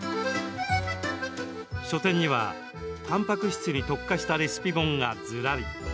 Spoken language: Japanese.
書店には、たんぱく質に特化したレシピ本がずらり。